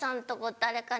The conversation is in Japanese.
誰かに？